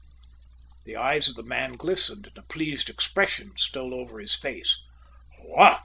The eyes of the man glistened and a pleased expression stole over his face. "What!